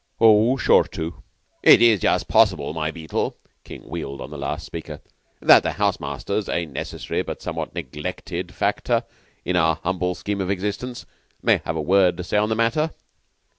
"Oh, sure to." "It is just possible, my Beetle," King wheeled on the last speaker, "that the house masters a necessary but somewhat neglected factor in our humble scheme of existence may have a word to say on the matter.